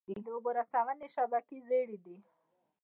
د اوبو رسونې شبکې زړې دي؟